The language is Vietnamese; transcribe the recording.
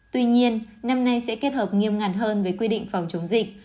tuy nhiên năm nay sẽ kết hợp nghiêm ngặt hơn với quy định phòng chống dịch